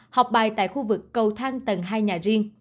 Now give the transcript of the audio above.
học bài tại khu vực cầu thang tầng hai mươi